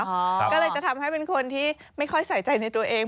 ก็เลยจะทำให้เป็นคนที่ไม่ค่อยใส่ใจในตัวเอง